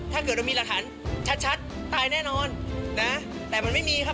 ถ้าเกิดเรามีหลักฐานชัดชัดตายแน่นอนนะแต่มันไม่มีครับ